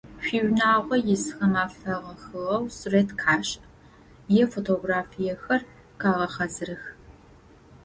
Шъуиунагъо исхэм афэгъэхьыгъэу сурэт къэшӏ, е фотографиехэр къэгъэхьазырых.